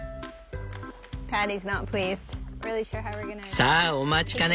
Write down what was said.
さあお待ちかね。